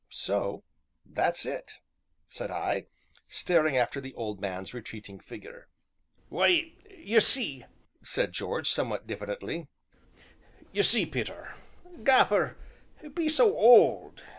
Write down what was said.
"So that's it!" said I, staring after the old man's retreating figure. "Why, ye see," said George, somewhat diffidently, "ye see, Peter, Gaffer be so old!